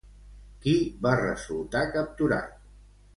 Qui va resultar capturat?